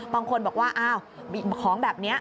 บางคนบอกว่าอ้าวของแบบนี้